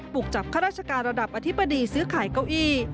กจับข้าราชการระดับอธิบดีซื้อขายเก้าอี้